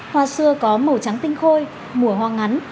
hoa xưa có màu trắng tinh khôi mùa hoa ngắn